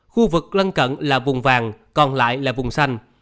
khu vực lân cận là vùng vàng còn lại là vùng xanh